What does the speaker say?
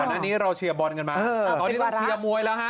อันนี้เราเชียร์บอลกันมาตอนนี้ต้องเชียร์มวยแล้วฮะ